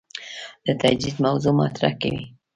د تجدید موضوع مطرح کوي.